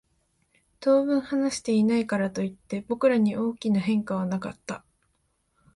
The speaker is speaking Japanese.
当分話していないからといって、僕らに大きな変化はなかった。